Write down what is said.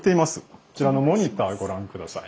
こちらのモニターご覧下さい。